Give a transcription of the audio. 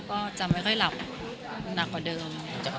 ก็จะไม่ค่อยหลับหนักกว่าเดิม